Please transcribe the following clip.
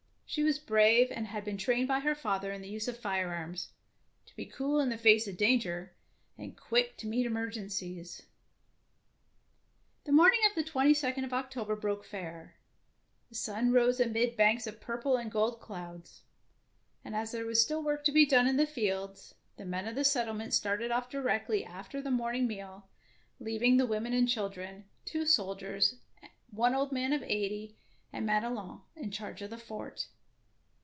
She was brave, and had been trained by her father in the use of firearms, to be cool in the face of danger and quick to meet emergencies. The morning of the twenty second of October broke fair, the sun rose amid banks of purple and gold clouds, and as there was still work to be done in the fields, the men of the settlement started off directly after the morning meal, leaving the women and children, two soldiers, one old man of eighty, and Madelon in charge of the fort.